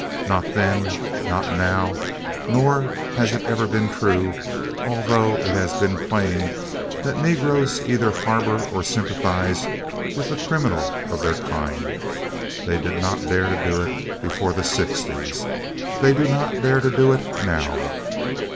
Not then, not now, nor has it ever been true, although it has been claimed, that negroes either harbour or sympathise with the criminal of their kind. They did not dare to do it before the sixties. They do not dare to do it now.